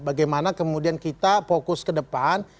bagaimana kemudian kita fokus ke depan